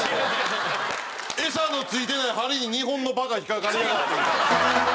餌のついてない針に日本のバカ引っかかったって。